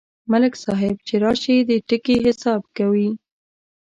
ملک صاحب چې راشي، د ټکي حساب کوي.